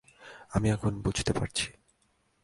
আমি এখন বুঝতে পারছি।